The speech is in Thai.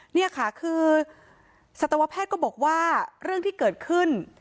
นี่ค่ะคือสัตวแพทย์ก็บอกว่าเรื่องที่เกิดขึ้น